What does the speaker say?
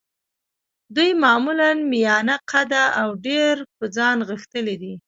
دوی معمولاً میانه قده او ډېر په ځان غښتلي دي.